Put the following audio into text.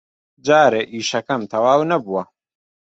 جارێ ئیشەکەم تەواو نەبووە.